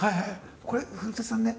これ古さんね。